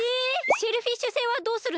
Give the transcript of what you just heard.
シェルフィッシュ星はどうするんですか？